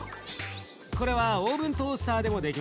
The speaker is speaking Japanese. これはオーブントースターでもできますよ。